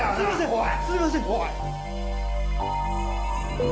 おい！